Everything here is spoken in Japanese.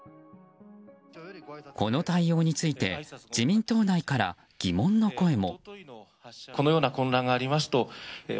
この対応について自民党内から疑問の声も。